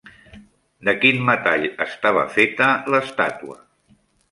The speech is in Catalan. De quin metall estava feta l'estàtua?